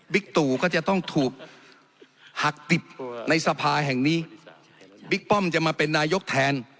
ตู่ก็จะต้องถูกหักติดในสภาแห่งนี้บิ๊กป้อมจะมาเป็นนายกแทน